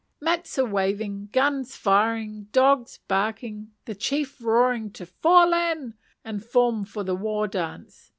_" Mats are waving, guns firing, dogs barking; the chief roaring to "fall in," and form for the war dance.